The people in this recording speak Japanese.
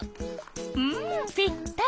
うんぴったり！